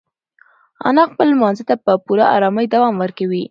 انا خپل لمانځه ته په پوره ارامۍ دوام ورکوي.